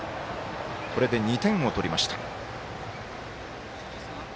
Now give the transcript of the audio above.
これで２点を取りました。